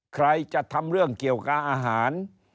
ใครจะทำเรื่องเกี่ยวกับอาหาร